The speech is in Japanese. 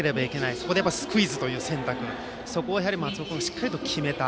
そこでスクイズという選択をしてそこを松尾君がしっかり決めた。